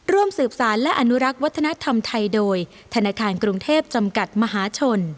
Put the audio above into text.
ร่วมสืบสารและอนุรักษ์วัฒนธรรมไทยโดยธนาคารกรุงเทพจำกัดมหาชน